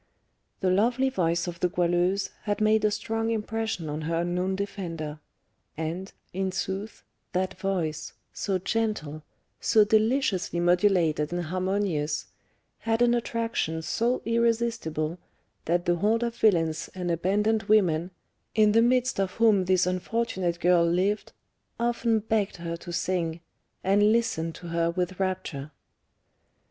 The lovely voice of the Goualeuse had made a strong impression on her unknown defender, and, in sooth, that voice, so gentle, so deliciously modulated and harmonious, had an attraction so irresistible that the horde of villains and abandoned women, in the midst of whom this unfortunate girl lived, often begged her to sing, and listened to her with rapture.